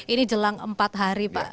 ini jelang empat hari pak